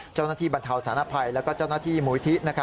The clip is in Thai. เจ้าหน้าที่บรรเทาศาลภัยและเจ้าหน้าที่หมูอิทธิ์